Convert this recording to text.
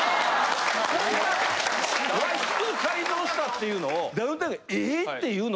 和室改造したっていうのを。